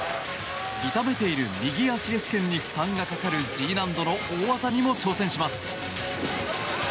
痛めている右アキレス腱に負担がかかるＧ難度の大技にも挑戦します。